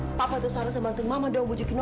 nona papa itu seharusnya bantu mama dong bujuki nona